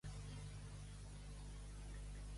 Molts diuen el que no fan per gustar quan ho diran.